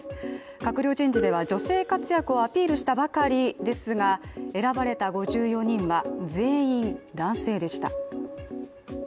閣僚人事では女性活躍をアピールしたばかりですが選ばれた５４人は全員、男性でした。